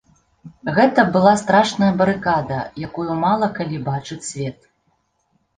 Гэта была страшная барыкада, якую мала калі бачыць свет.